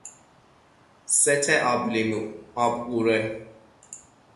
ست آبلیمو ، آبغوره